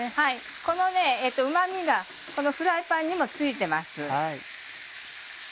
このうま味がこのフライパンにもついてます。